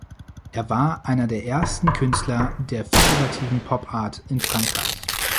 Er war einer der ersten Künstler der figurativen Pop-Art in Frankreich.